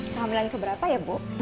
kamu laki laki keberapa ya bu